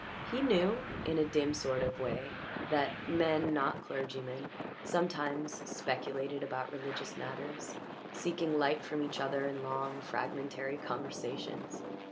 He knew, in a dim sort of way, that men not clergymen sometimes speculated about religious matters, seeking light from each other in long, fragmentary conversations.